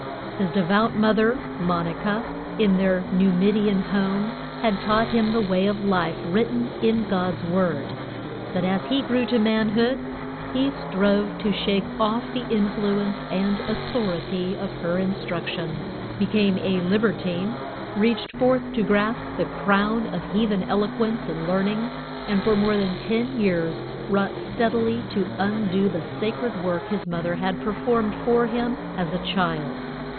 His devout mother, Monica, in their Numidian home, had taught him the way of life written in God's Word; but as he grew to manhood he strove to shake off the influence and authority of her instruction; became a libertine, reached forth to grasp the crown of heathen eloquence and learning, and for more than ten years wrought steadily to undo the sacred work his mother had performed for him as a child.